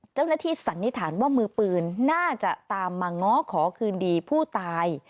สันนิษฐานว่ามือปืนน่าจะตามมาง้อขอคืนดีผู้ตาย